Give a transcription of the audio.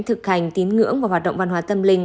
thực hành tín ngưỡng và hoạt động văn hóa tâm linh